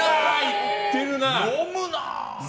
飲むな！